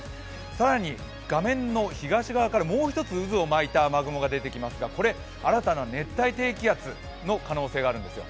更に画面の東側からもう１つ渦を巻いた雨雲が出てきますが、これ新たな熱帯低気圧の可能性があるんです。